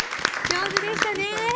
上手でした！